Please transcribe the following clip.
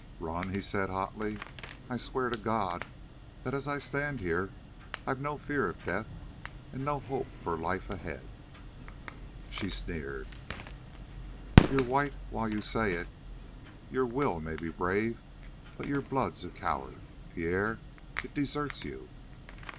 "Run?" he said hotly. "I swear to God that as I stand here I've no fear of death and no hope for the life ahead." She sneered: "You're white while you say it. Your will may be brave, but your blood's a coward, Pierre. It deserts you."